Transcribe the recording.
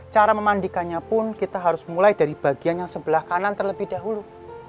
cara memandikannya pun kita harus mulai dari bagian yang sebelah kanan terlebih dahulu